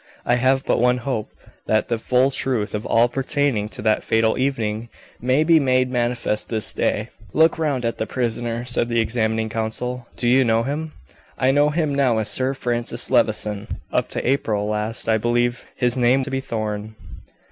I have but one hope, that the full truth of all pertaining to that fatal evening may be made manifest this day." "Look round at the prisoner," said the examining counsel. "Do you know him?" "I know him now as Sir Francis Levison. Up to April last I believed his name to be Thorn."